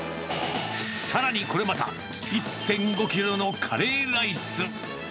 さらにこれまた、１．５キロのカレーライス。